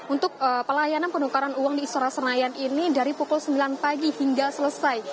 untuk pelayanan penukaran uang di istora senayan ini dari pukul sembilan pagi hingga selesai